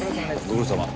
ご苦労さま。